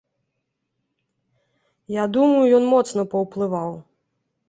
Я думаю, ён моцна паўплываў.